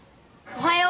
おはよう。